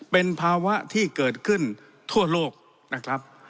เป็นภาวะที่เกิดขึ้นทั่วโลกนะครับ